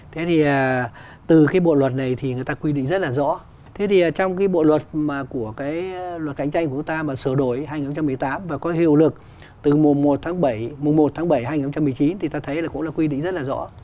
thế thì từ cái bộ luật này thì người ta quy định rất là rõ thế thì trong cái bộ luật mà của cái luật cạnh tranh của chúng ta mà sửa đổi hai nghìn một mươi tám và có hiệu lực từ mùa một tháng bảy mùa một tháng bảy hai nghìn một mươi chín thì ta thấy là cũng là quy định rất là rõ